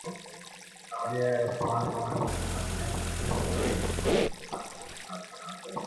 These are found on Ishtar Terra.